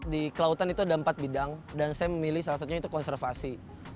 di kelautan itu ada empat bidang dan saya memilih salah satunya itu konservasi